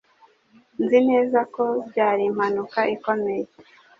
Nzi neza ko byari impanuka ikomeye.